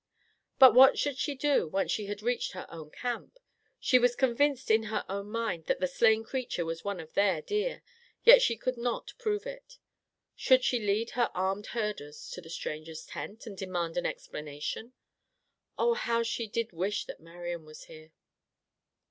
But what should she do, once she had reached her own camp? She was convinced in her own mind that the slain creature was one of their deer; yet she could not prove it. Should she lead her armed herders to the stranger's tent and demand an explanation? Oh, how she did wish that Marian was here!